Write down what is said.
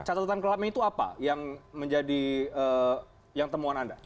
catatan kelam itu apa yang menjadi temuan anda